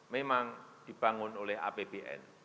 memang dibangun oleh apbn